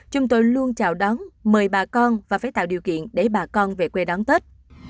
chúng tôi luôn chào đón mời bà con và phải tạo điều kiện để bà con về quê đón tết